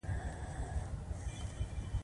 مس د افغانستان د کلتوري میراث برخه ده.